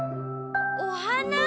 おはな？